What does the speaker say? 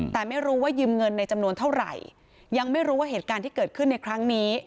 แต่ไม่รู้ว่ายืมเงินในจำนวนเท่าไหร่ยังไม่รู้ว่าเหตุการณ์ที่เกิดขึ้นในครั้งนี้